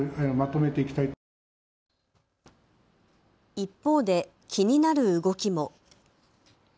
一方で、気になる動きも。